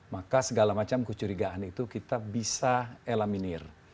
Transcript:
maka segala macam kecurigaan itu kita bisa elaminir